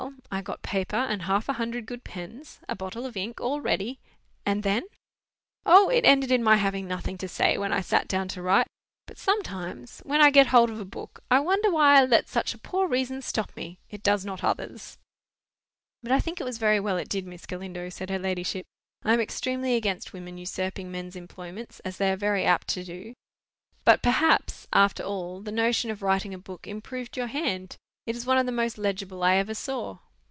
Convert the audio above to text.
I got paper and half a hundred good pens, a bottle of ink, all ready—" "And then—" "O, it ended in my having nothing to say, when I sat down to write. But sometimes, when I get hold of a book, I wonder why I let such a poor reason stop me. It does not others." "But I think it was very well it did, Miss Galindo," said her ladyship. "I am extremely against women usurping men's employments, as they are very apt to do. But perhaps, after all, the notion of writing a book improved your hand. It is one of the most legible I ever saw."